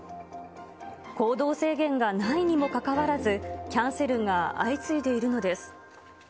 行動制限がないにもかかわらず、キャンセルが相次いでいるのです。